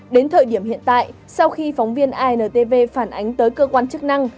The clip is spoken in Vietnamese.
đến thời điểm hiện tại sau khi phóng viên intv phản ánh tới cơ quan chức năng